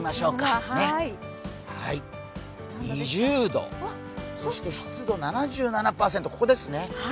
今の気温は２０度、そして湿度７７％、ここですね。